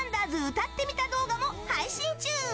歌ってみた動画も配信中！